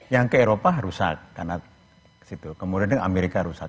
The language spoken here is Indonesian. yang ke eropa rusak karena situ kemudian amerika rusak